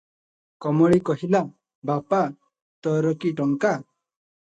କମଳୀ କହିଲା, "ବାପା! ତୋର କି ଟଙ୍କା?